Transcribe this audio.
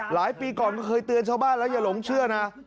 หลายปีก่อนก็เคยเตือนชาวบ้านแล้วอย่าหลงเชื่อนะ